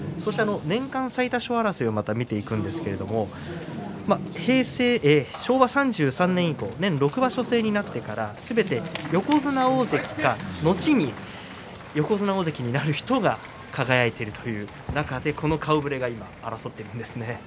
年間最多勝争いを見ていきますが昭和３３年以降、年６場所制になってからすべて横綱、大関か後に横綱大関になる人が輝いているという中でこの顔ぶれです。